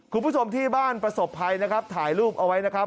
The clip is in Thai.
คุณผู้ชมที่บ้านประสบภัยนะครับถ่ายรูปเอาไว้นะครับ